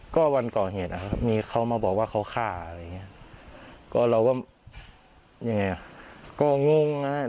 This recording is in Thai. ก็วันก่อเหตุนะครับมีเขามาบอกว่าเขาฆ่าอะไรอย่างเงี้ยก็เราก็ยังไงอ่ะก็งงอ่ะ